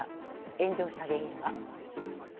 炎上した原因は。